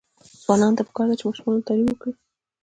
ځوانانو ته پکار ده چې، ماشومانو تعلیم ورکړي.